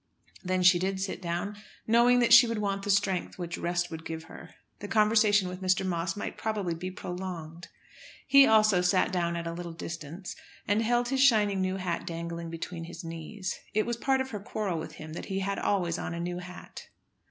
Then she did sit down, knowing that she would want the strength which rest would give her. The conversation with Mr. Moss might probably be prolonged. He also sat down at a little distance, and held his shining new hat dangling between his knees. It was part of her quarrel with him that he had always on a new hat.